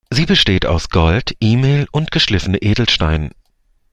Sie besteht aus Gold, Email und geschliffenen Edelsteinen.